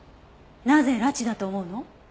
なぜ拉致だと思うの？